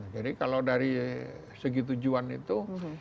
jadi kalau dari segi tujuan itu